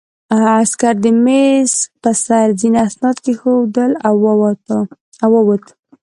عسکر د مېز په سر ځینې اسناد کېښودل او ووت